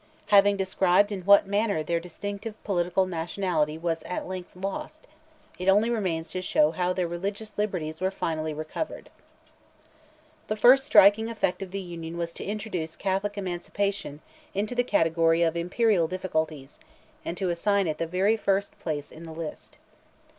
Having described in what manner their distinctive political nationality was at length lost, it only remains to show how their religious liberties were finally recovered. The first striking effect of the Union was to introduce Catholic Emancipation into the category of imperial difficulties, and to assign it the very first place on the list.